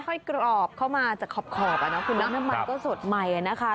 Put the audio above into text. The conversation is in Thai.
ค่อยกรอบเข้ามาจะขอบคุณน้ำมันก็สดใหม่นะคะ